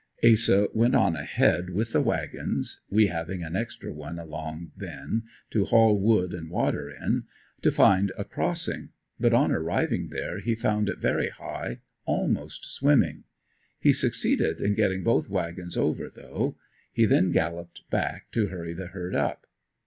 Asa went on ahead with the wagons we having an extra one along then to haul wood and water in to find a crossing, but on arriving there he found it very high, almost swimming; he succeeded in getting both wagons over though. He then galloped back to hurry the herd up.